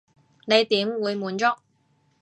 你點會滿足？